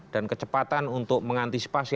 dan kecepatan untuk mengantisipasi